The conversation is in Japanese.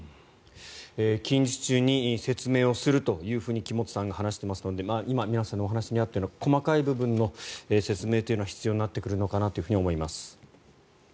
近日中に説明をすると木本さんが話していますので今、皆さんのお話にあったような細かい部分の説明が必要になってくるのかなと思います。